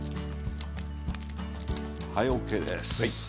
はい、ＯＫです。